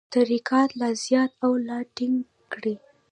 مشترکات لا زیات او لا ټینګ کړي.